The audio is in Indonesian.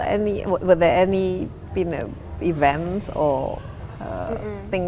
apakah ada acara atau hal lain